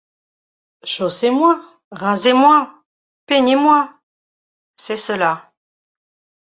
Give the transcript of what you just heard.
Chaussez-moi ! rasez-moi ! peignez-moi !— C’est cela.